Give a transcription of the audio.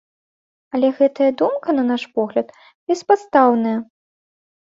Але гэтая думка, на наш погляд, беспадстаўная.